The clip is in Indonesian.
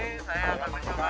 ini saya akan mencoba